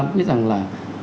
biết rằng là